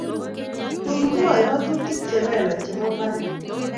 tun mwaei ngatutik chelelach chebo mbaret